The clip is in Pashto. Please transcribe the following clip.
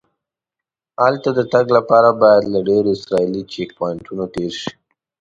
هلته د تګ لپاره باید له ډېرو اسرایلي چیک پواینټونو تېر شې.